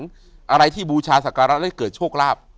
อยู่ที่แม่ศรีวิรัยิลครับ